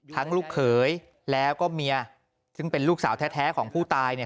ลูกเขยแล้วก็เมียซึ่งเป็นลูกสาวแท้ของผู้ตายเนี่ย